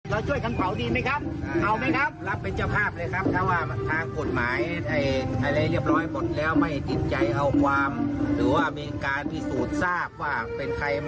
ก็พี่น้องชาวตะโกนอนกกกจะรับเป็นเจ้าภาพชาวประนักอิทธิ์เลยครับผม